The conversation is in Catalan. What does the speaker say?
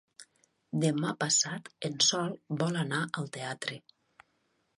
Demà passat en Sol vol anar al teatre.